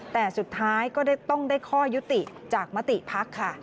แต่สุดท้ายก็ต้องได้ข้อยุติจากมติพักค่ะ